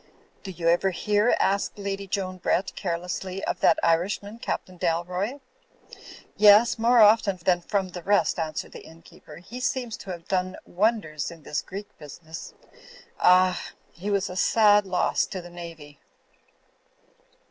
"Do you ever hear," asked Lady Joan Brett, care lessly, "of that Irishman, Captain Dalroy?" "Yes, more often than from the rest," answered the innkeeper. "He seems to have done wonders in this Greek business. Ah! He was a sad loss to the Navy!"